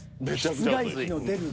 室外機の出る熱。